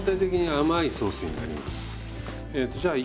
はい。